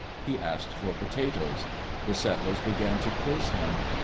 He asked for potatoes. The set tlers began to quiz him.